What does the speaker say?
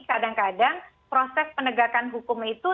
kadang kadang proses penegakan hukum itu